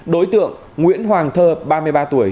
đối tượng nguyễn hoàng thơ ba mươi ba tuổi